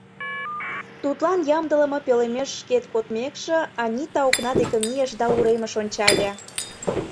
Тудлан ямдылыме пӧлемеш шкет кодмекше, Анита окна деке мийыш да уремыш ончале.